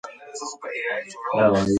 خپل نور مه پټوئ.